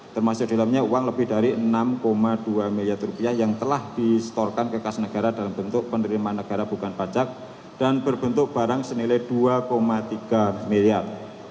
termasuk dalamnya uang lebih dari rp enam dua ratus yang telah distorkan kekas negara dalam bentuk penerima negara bukan pajak dan berbentuk barang senilai rp dua tiga ratus